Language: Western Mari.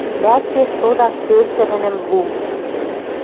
Лӓктеш тодаш тӧрсӹрӹнӹм лум.